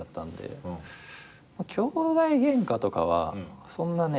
きょうだいゲンカとかはそんなね。